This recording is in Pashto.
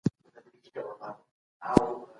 له ناکامۍ مه وېرېږئ.